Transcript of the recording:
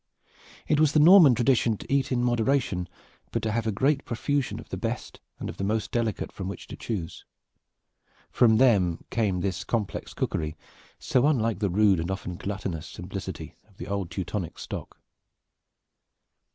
It was the Norman tradition to eat in moderation, but to have a great profusion of the best and of the most delicate from which to choose. From them came this complex cookery, so unlike the rude and often gluttonous simplicity of the old Teutonic stock.